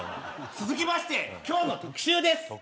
続きまして、今日の特集です。